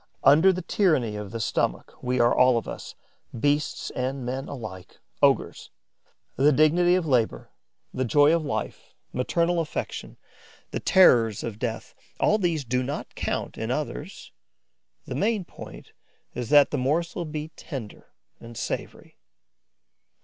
Under the tyranny of the stomach, we are all of us, beasts and men alike, ogres. The dignity of labour, the joy of life, maternal affection, the terrors of death: all these do not count, in others; the main point is that morsel the be tender and savoury.